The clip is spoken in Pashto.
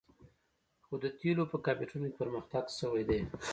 خو د تیلو په کمپیوټرونو کې پرمختګ شوی دی